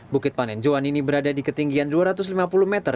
bukit panenjoan ini berada di ketinggian dua ratus lima puluh meter